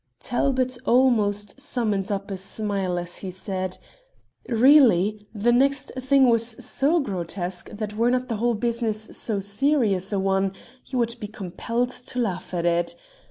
Talbot almost summoned up a smile as he said "Really, the next thing was so grotesque that were not the whole business so serious a one you would be compelled to laugh at it.